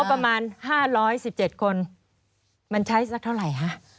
ประมาณ๕๑๗คนมันใช้สักเท่าไหร่ฮะ